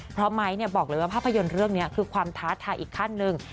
เพราะไม้บอกเลยว่าภาพยนตร์เรื่องนี้คือความท้าทายอีกขั้นหนึ่ง